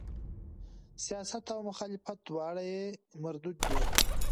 سیاست او مخالفت دواړه یې مردود دي.